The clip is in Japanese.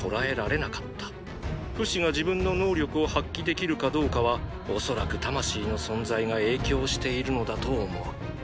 フシが自分の能力を発揮できるかどうかは恐らく魂の存在が影響しているのだと思う。